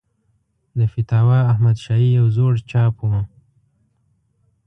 د فتاوی احمدشاهي یو زوړ چاپ و.